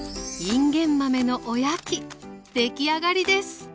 出来上がりです。